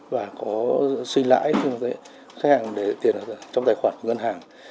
và có suy lãi cho khách hàng để tiền trong tài khoản ngân hàng